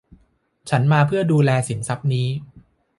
ฉันมาเพื่อดูแลสินทรัพย์นี้